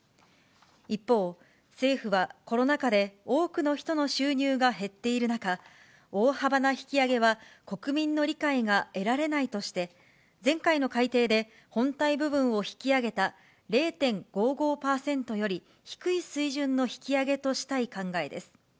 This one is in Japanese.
一方、政府はコロナ禍で多くの人の収入が減っている中、大幅な引き上げは国民の理解が得られないとして、前回の改定で本体部分を引き上げた０．５５％より低い水準の引き上げとしたい考えです。